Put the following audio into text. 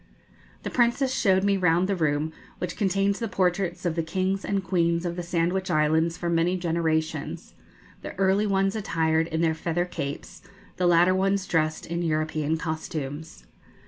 The Princess showed me round the room which contains the portraits of the kings and queens of the Sandwich Islands for many generations, the early ones attired in their feather capes, the later ones dressed in European costumes.